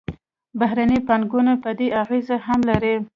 بهرنۍ پانګونه بدې اغېزې هم لري.